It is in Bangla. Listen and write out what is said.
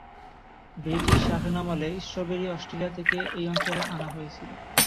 ব্রিটিশ শাসনামলে স্ট্রবেরি অস্ট্রেলিয়া থেকে এই অঞ্চলে আনা হয়েছিল।